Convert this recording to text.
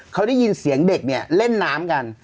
เขาได้ยินเสียงเด็กเนี่ยเล่นน้ำกัน